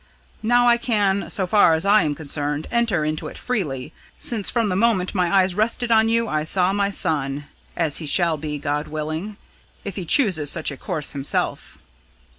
Now I can, so far as I am concerned, enter into it freely, since from the moment my eyes rested on you I saw my son as he shall be, God willing if he chooses such a course himself."